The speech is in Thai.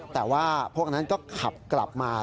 แต่ว่าพวกนั้นก็ขับกลับมา